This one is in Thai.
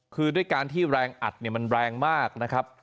คือด้วยการที่แรงอัดเนี่ยมันแรงมากนะครับ